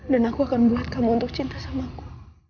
dan aku akan buat kamu untuk cinta sama aku